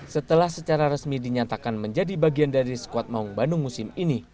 setelah secara resmi dinyatakan menjadi bagian dari squad maung bandung musim ini